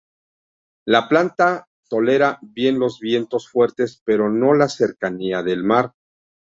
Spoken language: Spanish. La planta tolera bien los vientos fuertes pero no la cercanía del mar.